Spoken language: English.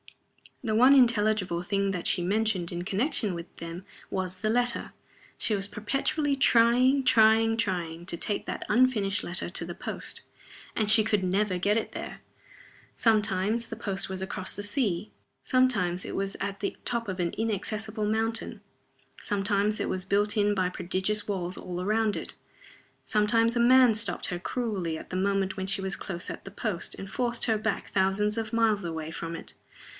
The one intelligible thing that she mentioned in connection with them was the letter. She was perpetually trying, trying, trying to take that unfinished letter to the post; and she could never get there. Sometimes the post was across the sea. Sometimes it was at the top of an inaccessible mountain. Sometimes it was built in by prodigious walls all round it. Sometimes a man stopped her cruelly at the moment when she was close at the post, and forced her back thousands of miles away from it.